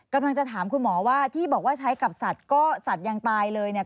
กำลังจะถามคุณหมอว่าที่บอกว่าใช้กับสัตว์ก็สัตว์ยังตายเลยเนี่ย